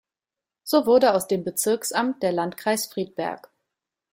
So wurde aus dem Bezirksamt der Landkreis Friedberg.